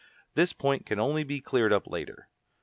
This point can only be cleared up later.